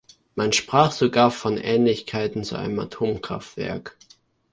Man sprach sogar von Ähnlichkeiten zu einem Atomkraftwerk.